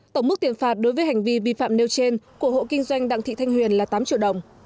tổng mức tiền phạt đối với hành vi vi phạm nêu trên của hộ kinh doanh đặng thị thanh huyền là tám triệu đồng